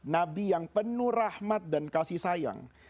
nabi yang penuh rahmat dan kasih sayang